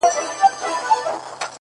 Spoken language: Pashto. چي په كالو بانـدې زريـــن نه ســـمــه!!